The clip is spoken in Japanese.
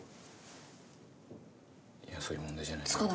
いやそういう問題じゃないな。